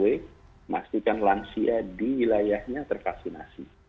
memastikan lansia di wilayahnya tervaksinasi